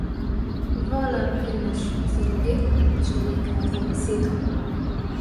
Vola primeš za roge, človeka za besedo.